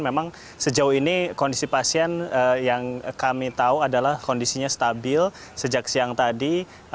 memang sejauh ini kondisi pasien yang kami tahu adalah kondisinya stabil sejak siang tadi